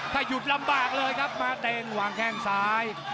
ถ้าหยุดลำบากเลยครับมาเต็งวางแข้งซ้าย